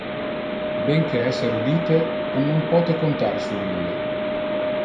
Ben que es erudite, on non pote contar sur ille.